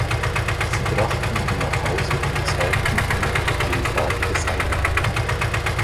Sie brachten ihn nach Hause und zeigten ihn dem Vater des einen.